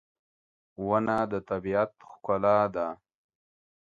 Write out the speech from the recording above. • ونه د طبیعت ښکلا ده.